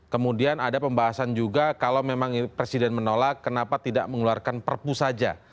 kemudian ada pembahasan juga kalau memang presiden menolak kenapa tidak mengeluarkan perpu saja